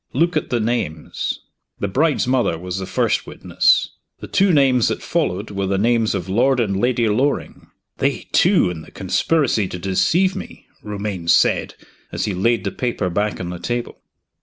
Look at the names." The bride's mother was the first witness. The two names that followed were the names of Lord and Lady Loring. "They, too, in the conspiracy to deceive me!" Romayne said, as he laid the paper back on the table.